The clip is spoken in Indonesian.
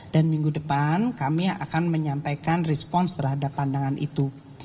dan minggu depan kami akan menyampaikan respons terhadap pandangan itu